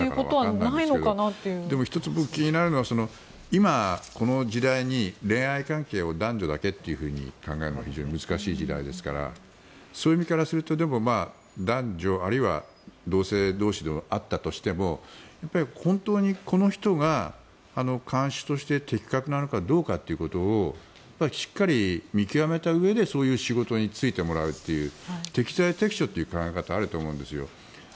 ただ、僕１つ気になるのは今、この事例に恋愛関係を男女だけと考えるのは非常に難しい時代ですからそういう意味からすると男女、あるいは同性同士であったとしても、本当にこの人が看守として適格なのかどうかをしっかり見極めたうえでそういう仕事に就いてもらうという適材適所という考え方があると思うんですよ。